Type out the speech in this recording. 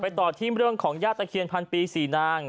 ไปต่อทีมเรื่องของญาตาเขียนพันปีสี่นาง